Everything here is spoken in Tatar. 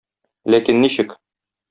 Ләкин ничек?